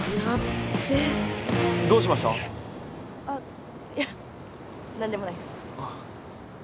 あっ。